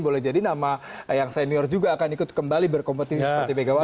boleh jadi nama yang senior juga akan ikut kembali berkompetisi seperti megawati